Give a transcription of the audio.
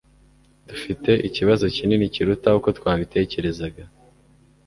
Dufite ikibazo kinini kuruta uko twabitekerezaga.